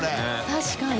確かに。